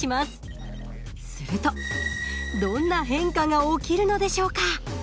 するとどんな変化が起きるのでしょうか？